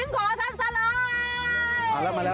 ลูกหลิงขอทั้งทราย